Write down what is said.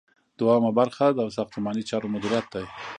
دوهم برخه د ساختماني چارو مدیریت دی.